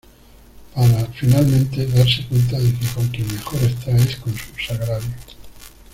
Para, finalmente, darse cuenta de que con quien mejor está es con su Sagrario.